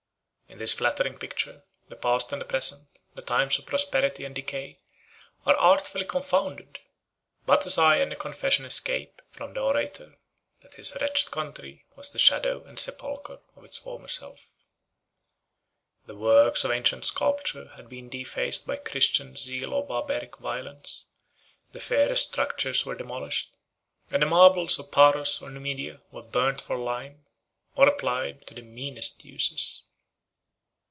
In this flattering picture, the past and the present, the times of prosperity and decay, are artfully confounded; but a sigh and a confession escape, from the orator, that his wretched country was the shadow and sepulchre of its former self. The works of ancient sculpture had been defaced by Christian zeal or Barbaric violence; the fairest structures were demolished; and the marbles of Paros or Numidia were burnt for lime, or applied to the meanest uses.